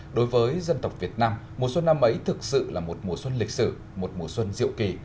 đối với dân tộc việt nam mùa xuân năm ấy thực sự là một mùa xuân lịch sử một mùa xuân diệu kỳ